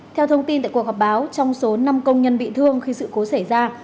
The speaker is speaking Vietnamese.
theo thông tin tại cuộc họp báo trong số năm công nhân bị thương khi sự cố xảy ra